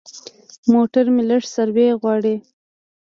موټر مې لږ سروي غواړي.